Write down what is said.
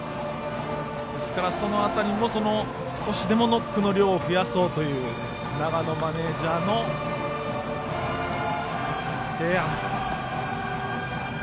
その辺りも少しでもノックの量を増やそうという永野マネージャーの提案。